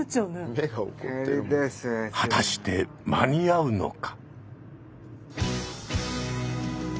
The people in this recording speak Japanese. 果たして間に合うのか。